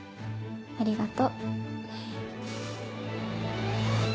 ありがと。